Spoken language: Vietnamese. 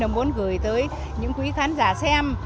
muốn gửi tới những quý khán giả xem